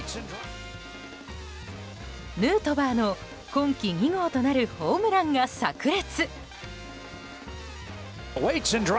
ヌートバーの今季２号となるホームランが炸裂！